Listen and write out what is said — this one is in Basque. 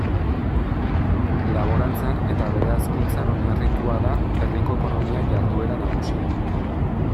Laborantzan eta abere hazkuntzan oinarritua da herriko ekonomia jarduera nagusia.